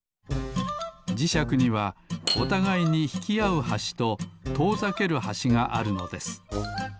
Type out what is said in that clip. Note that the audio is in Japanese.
じしゃくにはおたがいにひきあうはしととおざけるはしがあるのです。